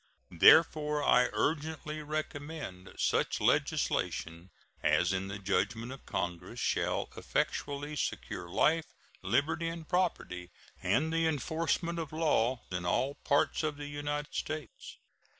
Therefore I urgently recommend such legislation as in the judgment of Congress shall effectually secure life, liberty, and property and the enforcement of law in all parts of the United States.